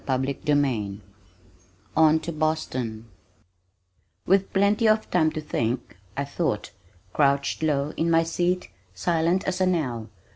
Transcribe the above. CHAPTER XXVI On to Boston With plenty of time to think, I thought, crouched low in my seat silent as an owl.